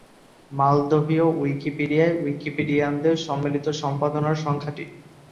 মলদোভীয় উইকিপিডিয়ায় উইকিপিডিয়ানদের সম্মিলিত সম্পাদনার সংখ্যা টি।